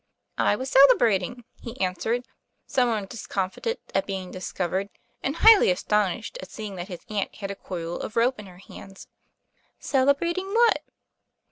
'I was celebrating," he answered, somewhat dis comfited at being discovered, and highly astonished at seeing that his aunt had a coil of rope in her hands. "Celebrating what?"